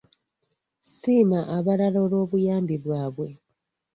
Siima abalala olw'obuyambi bwabwe.